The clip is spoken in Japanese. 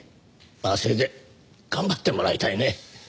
まあせいぜい頑張ってもらいたいね。